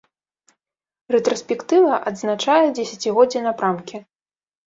Рэтраспектыва адзначае дзесяцігоддзе напрамкі.